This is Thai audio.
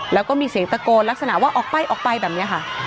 แล้วก็มีเสียงตะโกนลักษณะว่าออกไปออกไปแบบนี้ค่ะ